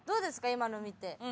今の見て。